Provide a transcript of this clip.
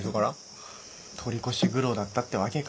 取り越し苦労だったってわけか。